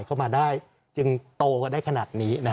จะเอาคำแนนของทุกฝ่ายได้จึงโตได้ขนาดนี้นะครับ